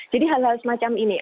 jadi hal hal semacam ini